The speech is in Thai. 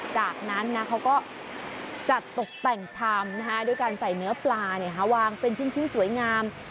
จากนั้นเขาก็จัดตกแต่งชามด้วยการใส่เนื้อปลาวางเป็นชิ้นสวยงาม